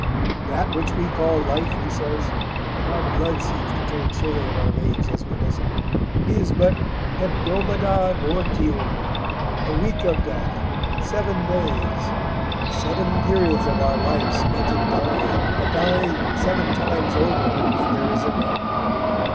"That which we call life," he says, and our blood seems to turn chilly in our veins as we listen, "is but Hebdomada mortium, a week of death, seven days, seven periods of our life spent in dying, a dying seven times over, and there is an end.